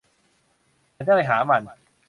ฉันจะไปหามัน